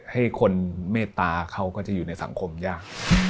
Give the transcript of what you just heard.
ให้คนเมตตาเขาก็จะอยู่ในสังคมยาก